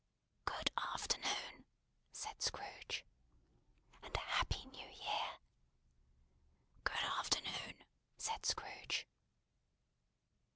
"Good afternoon!" said Scrooge. "And A Happy New Year!" "Good afternoon!" said Scrooge.